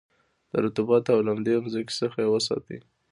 د رطوبت او لمدې مځکې څخه یې وساتی.